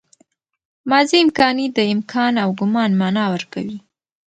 ماضي امکاني د امکان او ګومان مانا ورکوي.